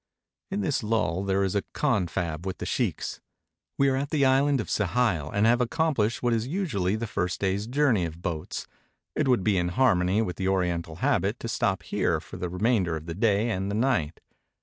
In this lull there is a confab with the sheikhs. We are at the island of Sehayl, and have accomplished what is usually the first day's journey of boats. It would be in harmony with the Oriental habit to stop here for the remainder of the day and the night.